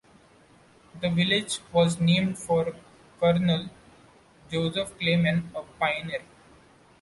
The village was named for Colonel Joseph Clyman, a pioneer.